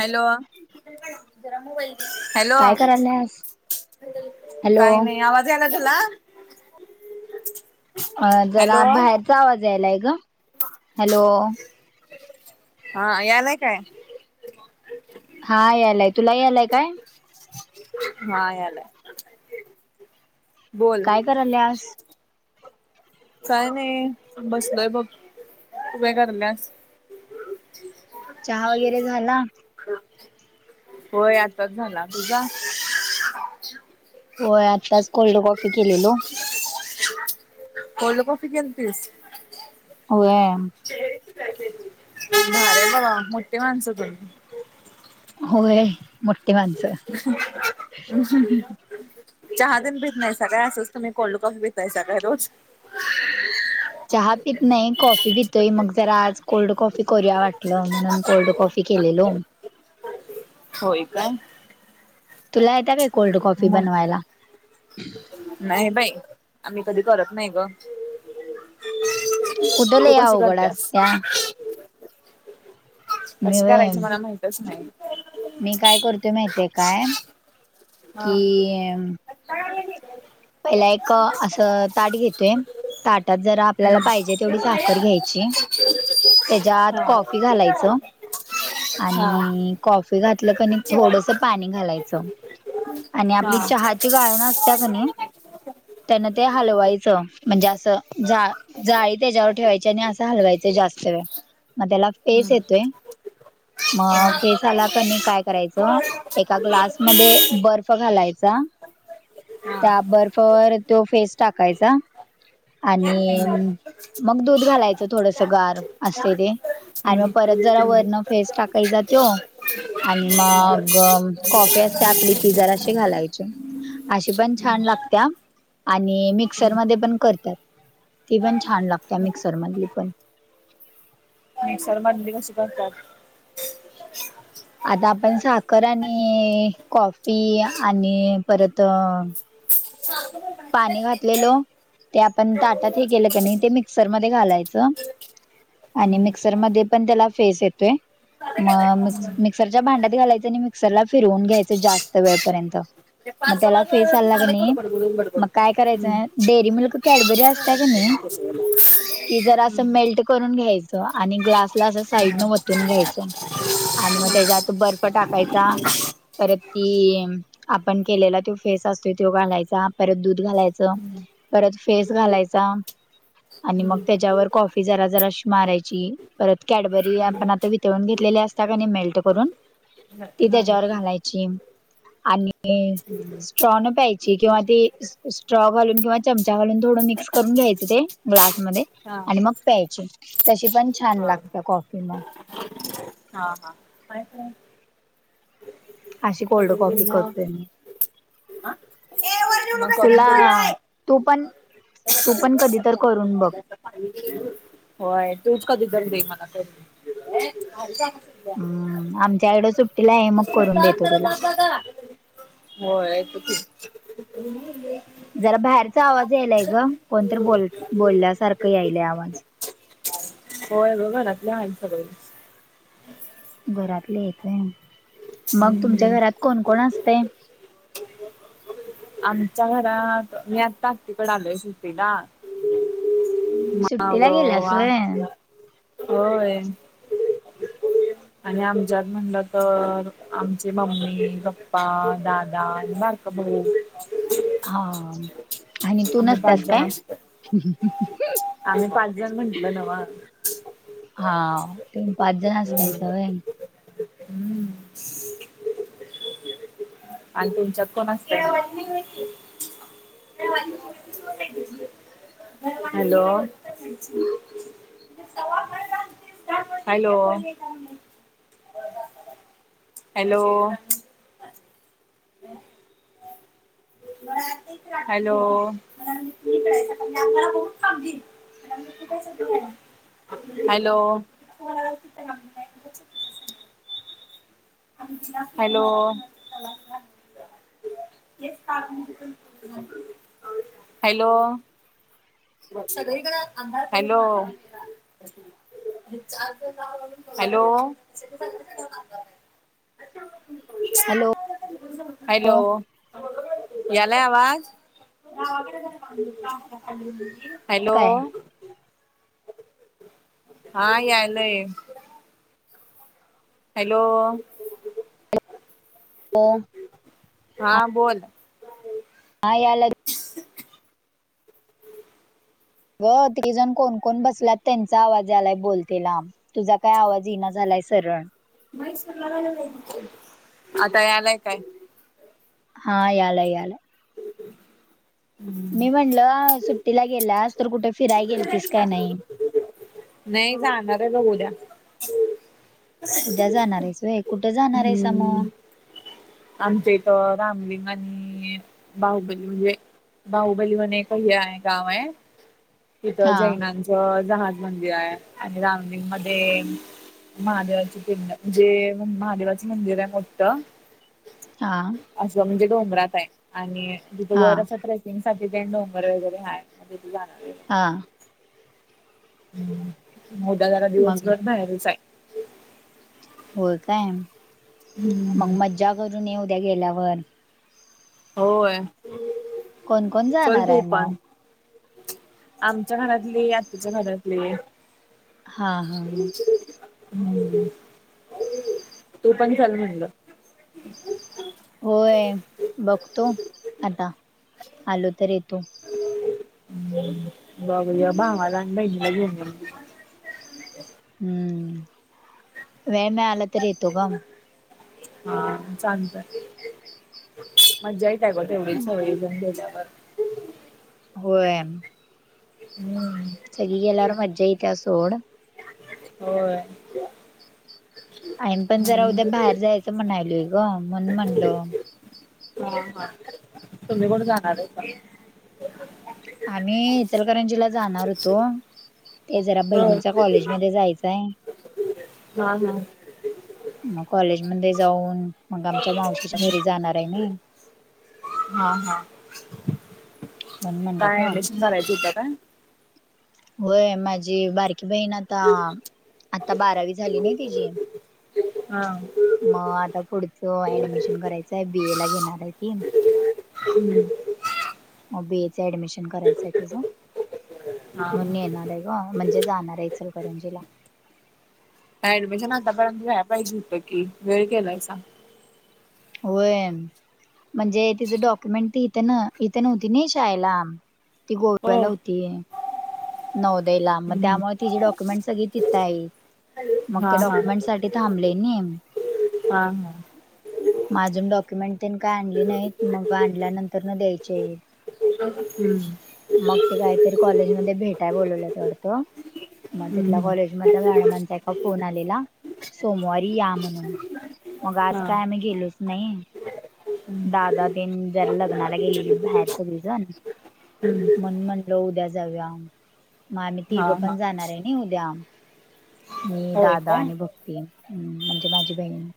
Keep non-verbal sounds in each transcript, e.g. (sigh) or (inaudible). Hello hello काय करायल्यास hello काय नाही आवाज ला (unintelligible) तुला अ जरा हॅलो बाहेरचा आवाज यायलाय ग हॅलो हा यायलाय काय? हा यायलाय तुला यायलाय काय? हा यायलाय. काय करायल्यास? काय नाही बसलोय बघ तू काय करयल्यास? चहा वगैरे झाला. होय आताच झाला तुझा? होय आत्ताच कोल्ड कॉफी केलेलो. कोल्ड कॉफी केलतीस? होय भारी आहे बाबा मोठीे माणसं तुम्ही. होय मोठी (inaudible) माणसं चहा तीन पीत नाही सकाळी असच तुम्ही रोज कोल्ड कॉफी पीतायसा काय रोज? चहा पित नाही कॉफी पितोय मग जरा आज कोल्ड कॉफी करूया वाटलं म्हणून. कोल्ड कॉफी केलेलो. होय काय तुला येते काय कोल्ड कॉफी मग बनवायला? नाही बाई आम्ही कधी करत नाही ग. कुठं तू लय कशी अवघड करतेस? असत्या मी कशी व्हय करायचं मला माहितच नाही. मी काय करतो माहितेय काय हा कि (unintelligible) पहिला एक असं ताट घेतोय ताटात जरा आपल्याला पाहिजे तेवढी साखर घ्यायची. त्याच्या आत हा कॉफी घालायचं. हा आणि कॉफी घातलं कनाय थोडस पाणी घालायचं. आणि हा आपली चहाची गाळन असत्या कणाय त्यांना ते हलवायचं म्हणजे असं जा जाळी त्याच्यावर ठेवायची आणि असं हलवायच जास्त वेळ मग त्याला फेस हम्म येतोय मग हा फेसाला कनी काय करायचं एका ग्लासमध्ये बर्फ घालायचा. हम्म त्या बर्फवर तो फेस टाकायचा. आणि हा मग दूध घालायचं थोडस गार असते ते. आणि मग हम्म परत जरा वरण फेस टाकायचा तो. आणि मग कॉफी असते आपली ति जराशी घालायची. अशी पण छान लागत्या आणि मिक्सर मध्ये पण करतात. ती पण छान लागते मिक्सर मधली पण. मिक्सर मधली कशी करतात? आता आपण साखर आणि कॉफी आणि परत (inaudible) पाणी घातलेलो. ते आपण ताटात हे केलं क नाही ते मिक्सरमध्येध्ये घालायचं. आणि मिक्सर म पण त्याला फेस येतोय म मिक्सरच्या भांड्यात घालायचं आणि मिक्सरला फिरवून घ्यायचं जास्त वेळपर्यंत मत एला फेस आ लागणे. मग काय करायचं डेअरी मुल कॅडबरी असत का नाही ती जर असल. करून घ्यायच आणि ग्लासला असं साईड न वतून घ्यायचं. आणि मग त्याच्यातून बर्फ टाकायचा. परत ती आपण केलेला तो फेस असतो तो घालायचा. परत दूध घालायचं परत फेस घालायचा. आणि मग त्याच्यावर कॉफी जरा जरा मारायची परत कॅडबरी आपण आता वितळून घेतलेली अस. त्या मेल्ट करून ति त्या जवर घालायची आणि स्ट्रॉन प्यायची किंवा ती स्ट्रॉ घालून किंवा चमचा घालून थोडं मिक्स करून घ्यायचं ते ग्लासमध्येध्ये आणि मग प्यायची तशी पण छान लागते कॉफी मग हा हा. मायो. अशी कोल्ड कॉफी हा करतोय मी मग करून तुला दिलीस? तू पण तू पण कधी तर (unintelligible) करून बघ होय तूच कधी दं दे मला कर. उ ब. हम्म आमच्याकडे सुट्टीला आहे मग करून देतो तुला हो त. जरा बाहेरचा आवाज यायलाय ग कोणतरी बोल बोलल्यासारखं यायलय आवाज होय बघ घरातल्या आहे सगळे. घरातले येतय मग तुमच्या हम्म घरात कोण कोण असते. आमच्या घरात मी आता तिकड आलोय सुेट्टीला माग सुट्टीला गेल्यास वा व्हय होय. आणि आमच्यात म्हणलं तर आमची मम्मी पप्पा दादा आणि बा. ह. हा. आणि तू आम्ही पाच नसतास काय? जण असतोय. आम्ही पाच जण म्हंटल नव हा त पाच जणच कायच. हम्म हम्म आणि तुमच्यात कोण असत. (unintelligible) हॅलो. हॅलो. ह. हॅलो. ह. हॅलो. कय म्हणजे आम्हाला बून सांगे आमयला हॅलो. हॅलो. हॅलो. सगळीकडे अंधार पडला हॅलो. हॅलो. (unintelligible) Hello hello. यालाय आवाज. हॅलो काय हा यायलय हॅलो हो हा बोल हा यायला अग तिघीजण जण कोणकण बसलात त्यांचा आवाज यालाय बोलतेला तुझा काय आवाज येना झालाय सरळ आता यालाय काय हा यालय यालय मी म्हणलं सुट्टीला गेलास तर कुठे फिराय गेलतीस काय नाही नाही जाणार आहे बघ उद्या उद्या जाणार आहेस होय कुठं जाणार आहेसा मग हम्म आमच्या इथ रामलिंग आणि बाहुबली म्हणजे बाहुबली म्हणून एक हे आहे गाव आहे तिथं हा जैनांच जहाज मंदिर आहे आणि रामलीर मध्ये महादेवाची पिंड म्हणजे महादेवाच मंदिर आहे मोठ हां असं म्हणजे डोंगरात आहे आणि तिथं हा वर अस ठी ते डोंगर वगैरे आहे जाणार आहे हां हम् उदा जरा मग दिवसभर बाहेरच आहे होय काय मग हम्म मज्जा करून ये उद्या गेल्यावर होय कोण कोण चाल जाणार तू आहे मग पाण आमच्या घरातली आत्ताच्या घरातली हा हा हा ह् तू पण चाल म्हटलं होय बघतो आता आलो तर येतो हम्म बघूया भावालाान बहिणीला घे म्हतो हम्म वेळ मिळाला तर येतो ग हा चालतय मजा येत्या ग तेवढीच सवजण गेल्यावर होय हम् सगळी गेल्यावर मजा येत त्या सोड. हो आ पण जरा हम्म. उद्या बाहेर जायचं म्हणालोय ग म्हणून म्हणल. तुम्ही कोण जाणार आहे आम्ही इचलकरंजीला जाणार होतो ते जरा बहिणीचा. होय. कॉलेज मध्ये जायचाय हा हा मग कॉलेज मध्ये जाऊन मग आमच्या मावशीच्या घरी जाणार आहे मी हा हा म्हणून म्हणलं काय का ऍडमिशन करायचं होत काय होय माझी बारकी बहीण आता आता बारावी झाली नाही तिची हा मग आता पुढचं ऍडमिशन करायचं आहे बीए ला घेणार आहे की. हम्म बी ए ं ऍडमिशन करायचं आहे तिझं हा म्हणून हा. येणार आहे ग म्हणजे जाणार आहे चल करंजीला ऍडमिशन आतापर्ंत या्याय पाहिजे होतं की वेळ केलाय सां. होय म्हणजे तिचं डॉक्युमेंट त यथे ना इथे नव्हती ना शाळेला ती हो. गोव्याला होती. नौदयला मग हम्म. त्यामुळे तिी डॉक्युमेंट सग तिथं येई मग ते हा हा. डॉक्युमेंटसाठी थांबलेणे हा हा हम् माझून डॉक्युमेंट त्यांनी काही आणली नाहीत मग आणल्यानंतर न द्यायचे येईल. हो हम्म मग ते काहीतरी कॉलेजमध्येध्ये भेटाय बोलवलं तेवढतं. मग तिथला हम्म. हम्म. कॉलेज मधल्या मॅडमांचा एका फोन आलेला सोमवारी या म्हणून मग आज हा. काय आम्ही गेलोच नाही हम्म. दहादाहा तीन जरा लग्नाला गेलेली बाहेर सगळी जण हम्म. मण म्हणलं उद्या जाऊ्या मग आम्ही हा तिघं हा. पण जाणार आहे ना उद्या मी होय दादा काय? आणि भक्ती. हम् म्हणजे माझी बहीण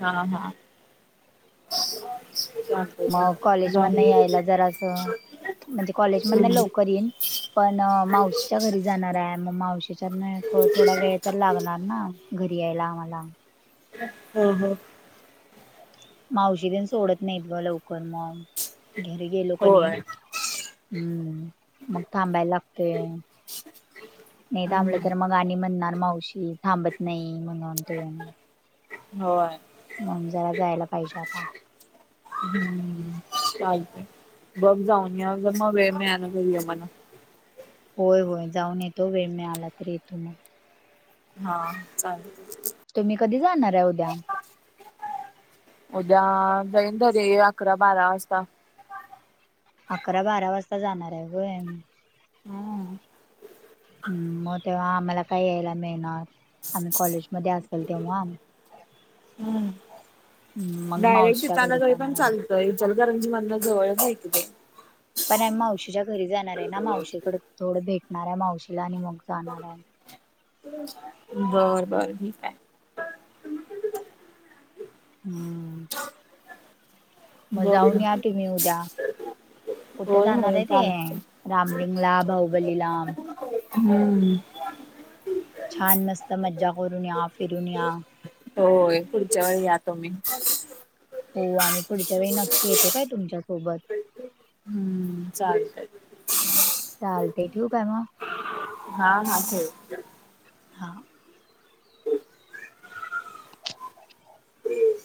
हा हा ह मग कॉलेज मध नाही यायला जरा असं. म्हणजे कॉलेज मध लवकर येईन पण मावशीच्या घरी जाणार आहे मग मावशीच्या थोडा वेळ तर लागणार ना घरी यायला आम्हाला. हा हा मावशी ते सोडत नाहीत ब लवकर मग घरी गेलो कणी होय हम्म मग थांबायला लागते नाही थांबले हम्म तर मग गाणी म्हणणार मावशी थांबत नाही म्हणून ते होय मणून जरा जायला पाहिजे आता हम्म चाल का बघ जाऊन या ज मग वेळ मिळाला घ आहे मणा होय होय जाऊन येतो वेळ मिळाला तर येतो मग. हा चालेल तुम्ही कधी जाणार आहे उद्या उद्या जाईन र अकरा बारा वाजता अकरा बारा वाजता जाणार आहे ग हम हम म तेव्हा आम्हाला काही यायला मिळणार आम्ही कॉलेजमध्ये असेल तेव्हा हम्म हम्म मग डायरेक्ट मावश्या तिथाना घरी तरी जाणार पण आहे म चालतंय इचलकरंजी मदन जवळच आहे की बाई पण आम्ही मावशीच्या घरी जाणारे ना मावशीकडे थोडं भेटणार आहे मावशीला आणि मग जाणार आहे बर बर मी काय हम् बर मजाऊन या बर तुम्ही उद्या कुठे होय जाणार होय आहे ते चालतंय. रामलिंगला बाहुबलीला. हम्म छान मस्त मज्जा करून या फिरून या होय पुढच्या वेळी या तो मी हो आम्ही पुढच्या वेळी नक्की येतो काय तुमच्यासोबत हम् चालतय चालतय ठियू काय मग हा हा (unintelligible) हा हो (inaudible) (inaudible)